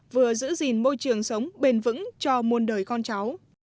vừa giữ gìn môi trường sống bền vững cho muôn đời con cháu